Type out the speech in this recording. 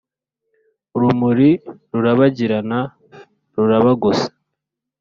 Urumuri rurabagirana rurabagose .